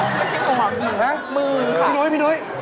ไม่ใช่งวงหวังนะเนี่ยมือค่ะพี่หนุ๊ย